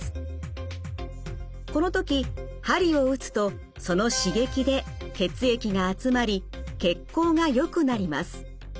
この時鍼を打つとその刺激で血液が集まり血行がよくなります。